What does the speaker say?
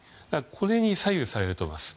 これに左右されると思います。